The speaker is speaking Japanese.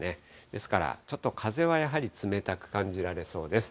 ですからちょっと風はやはり冷たく感じられそうです。